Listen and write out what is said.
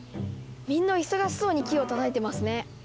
みんな忙しそうにキーを叩いてますね。